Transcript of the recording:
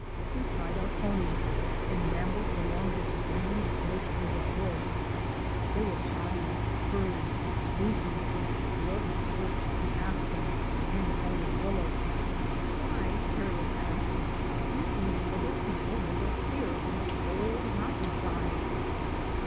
We tied our ponies and 1 ambled along this strange edge of the forest. There were pines, firs, spruces, dwarfed birch and aspen, and Arctic willow. "Why/'' Harriet asked, "do these little people live up here on the cold mountain side